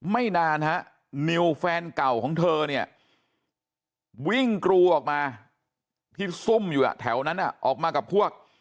ไม่นานฮะนิวแฟนเก่าของเธอเนี่ยวิ่งกรูออกมาที่ซุ่มอยู่แถวนั้นออกมากับพวก